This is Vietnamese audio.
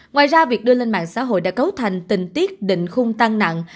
ngoài ra việc đưa lên mạng xã hội đã cấu thành tình tiết định khung tăng nặng